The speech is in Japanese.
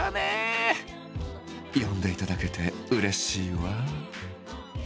「呼んで頂けてうれしいわ」。